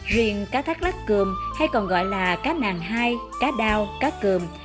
riêng cá thác lát cường hay còn gọi là cá nàng hai cá đao cá cường